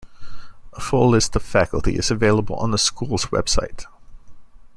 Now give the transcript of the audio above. A full list of faculty is available on the school's website.